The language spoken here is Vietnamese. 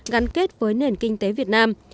gắn kết với nền kinh tế việt nam